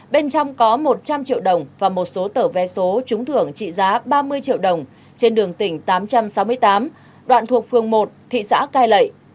bên trong có một trăm linh triệu đồng và một số tờ vé số trúng thưởng trị giá ba mươi triệu đồng trên đường tỉnh tám trăm sáu mươi tám đoạn thuộc phường một thị xã cai lậy